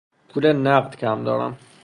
پول نقد کم دارم.